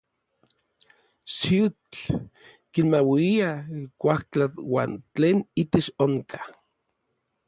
Xiutl kimaluia kuajtla uan tlen itech onka.